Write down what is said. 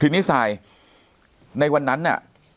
ทีนี้ซายในวันนั้นน่ะ